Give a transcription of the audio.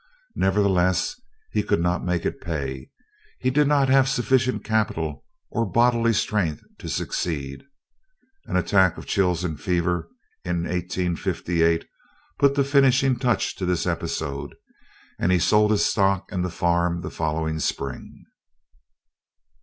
Nevertheless, he could not make it pay. He did not have sufficient capital or bodily strength to succeed. An attack of chills and fever, in 1858, put the finishing touch to this episode, and he sold his stock and farm the following spring.